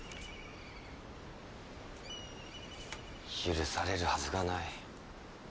許されるはずがない。